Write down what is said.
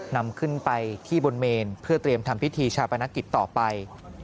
นำขึ้นไปที่บนเมนเพื่อเตรียมทำพิธีชาปนกิจต่อไป